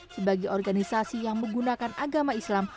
sebagai organisasi yang menggunakan agama islam